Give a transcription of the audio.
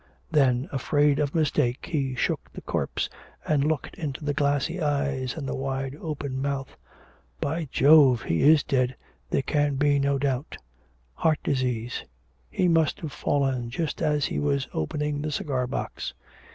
Then afraid of mistake, he shook the corpse and looked into the glassy eyes and the wide open mouth. 'By Jove! He is dead, there can be no doubt. Heart disease. He must have fallen just as he was opening the cigar box.